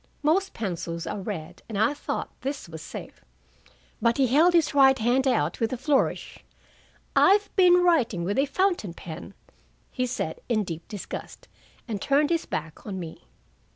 Most pencils are red, and I thought this was safe. But he held his right hand out with a flourish. "I've been writing with a fountain pen," he said in deep disgust, and turned his back on me.